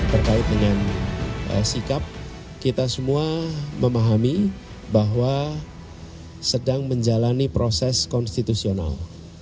terkait dengan sikap kita semua memahami bahwa sedang menjalani proses konstitusional